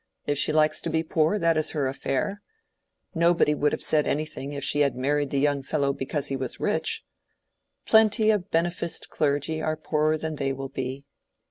If she likes to be poor, that is her affair. Nobody would have said anything if she had married the young fellow because he was rich. Plenty of beneficed clergy are poorer than they will be.